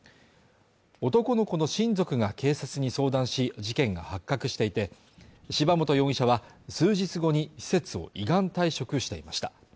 男の子の親族が警察に相談し事件が発覚していて、柴本容疑者は数日後に施設を依願退職していました。